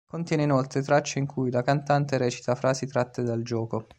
Contiene inoltre tracce in cui la cantante recita frasi tratte dal gioco.